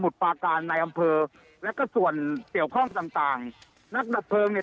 สมุทรปาการณ์ในอำเภอแล้วก็ส่วนเดี่ยวข้องต่างต่างนักระเฟิงเนี่ย